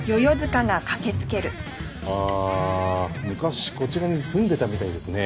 ああ昔こちらに住んでたみたいですね。